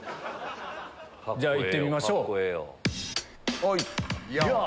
じゃあいってみましょう。